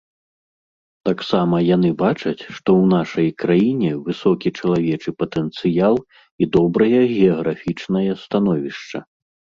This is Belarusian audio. Таксама яны бачаць, што ў нашай краіне высокі чалавечы патэнцыял і добрае геаграфічнае становішча.